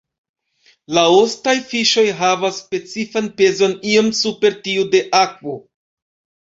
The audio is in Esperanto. La ostaj fiŝoj havas specifan pezon iom super tiu de akvo.